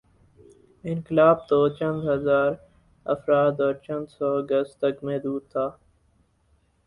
انقلاب توچند ہزارافراد اور چندسو گز تک محدود تھا۔